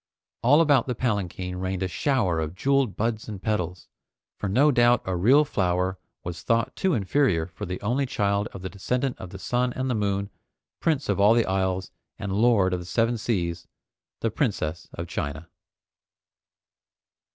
All about the palanquin rained a shower of jeweled buds and petals, for no doubt a real flower was thought too inferior for the only child of the Descendant of the Sun and the Moon, Prince of all the Isles, and Lord of the Seven Seas, the Princess of China.